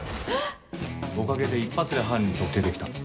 おかげで一発で犯人特定できた。